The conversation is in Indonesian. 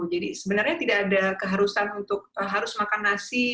jadi sebenarnya tidak ada keharusan untuk harus makan nasi